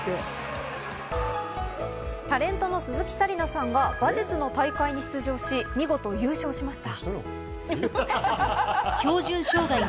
タレントの鈴木紗理奈さんが馬術の大会に出場し、見事優勝しました。